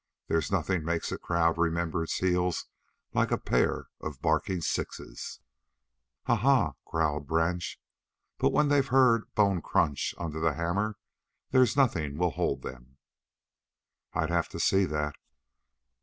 There's nothing makes a crowd remember its heels like a pair of barking sixes." "Ah, ah!" growled Branch. "But when they've heard bone crunch under the hammer there's nothing will hold them." "I'd have to see that."